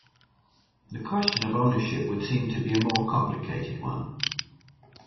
The question of ownership would seem to be a more complicated one.